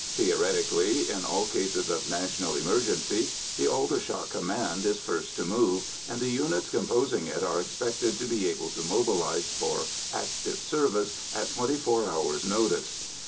Theoretically, in all cases of national emergency, the Aldershot Command is first to move, and the units composing it are expected to be able to mobilise for active service at twenty four hours' notice.